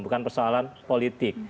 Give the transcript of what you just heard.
bukan persoalan politik